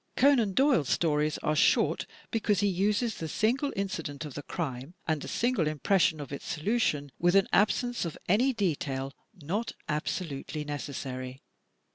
Conan Doyle's stories are short because he uses the single incident of the crime and the single impression of its solution, with an absence of any detail not absolutely necessary.